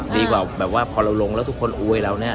พอเราลงแล้วทุกคนอวยเรานะ